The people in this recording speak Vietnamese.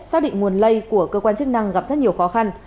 xác định nguồn lây của cơ quan chức năng gặp rất nhiều khó khăn